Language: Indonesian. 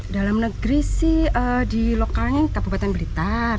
dalam negeri sih di lokalnya kabupaten blitar